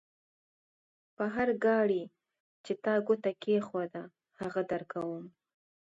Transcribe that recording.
پر هر ګاډي چې تا ګوته کېښوده؛ هغه درکوم.